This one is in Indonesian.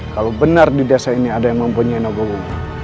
kalau benar di desa ini ada yang mempunyai nogowo